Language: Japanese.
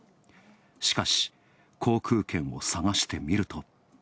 しかし、航空券を探してみると。